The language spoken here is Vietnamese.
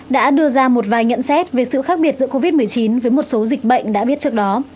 đã đưa ra một vài nhận xét về sự khác biệt giữa covid một mươi chín với một số dịch bệnh đã biết trước đó